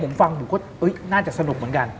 เห็นฟังผมก็น่าจะสนุกเหมือนกัน